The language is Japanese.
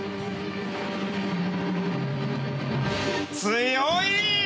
強い！